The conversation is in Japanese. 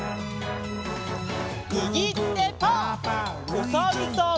おさるさん。